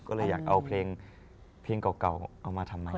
ก็เลยอยากเอาเพลงเก่าเอามาทำไม